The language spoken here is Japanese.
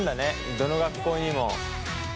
どの学校にも。